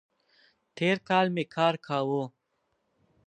تېر کال می کار کاوو